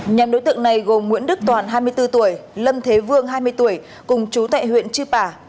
nhóm đối tượng này gồm nguyễn đức toàn hai mươi bốn tuổi lâm thế vương hai mươi tuổi cùng chú tại huyện chư pả